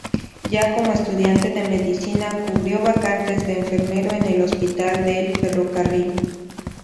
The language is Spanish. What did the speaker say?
Ya como estudiante de medicina cubrió vacantes de enfermero en el hospital del Ferrocarril.